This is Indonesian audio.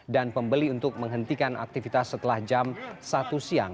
dan pembeli untuk menghentikan aktivitas setelah jam satu siang